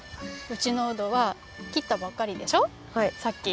うちのうどはきったばっかりでしょさっき。